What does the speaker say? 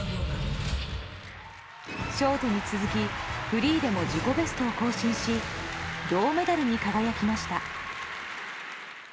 ショートに続きフリーでも自己ベストを更新し銅メダルに輝きました。